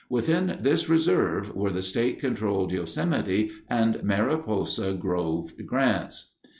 Within this reserve were the state controlled Yosemite and Mariposa Grove grants.